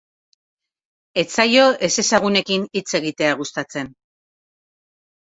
Ez zaio ezezagunekin hitz egitea gustatzen.